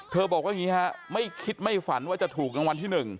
เธอบอกว่าเพลงนี้ไม่คิดไม่ฝันว่าจะถูกกันวันที่๑